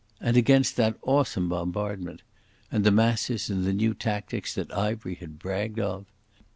And against that awesome bombardment! And the masses and the new tactics that Ivery had bragged of!